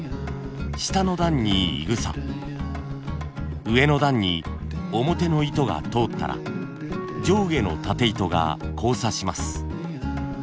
下の段にいぐさ上の段に表の糸が通ったら上下のたて糸が交差します。